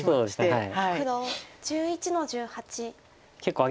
はい。